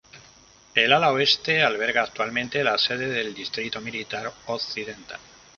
El ala oeste alberga actualmente la sede del Distrito Militar Occidental.